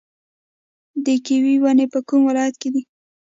د کیوي ونې په کوم ولایت کې دي؟